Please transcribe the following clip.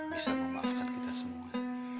bisa memaafkan kita semua